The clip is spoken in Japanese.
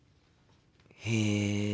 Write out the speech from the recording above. へえ。